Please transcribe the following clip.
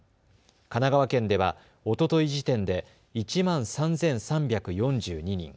神奈川県ではおととい時点で１万３３４２人。